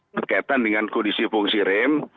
berkaitan dengan kondisi fungsi rem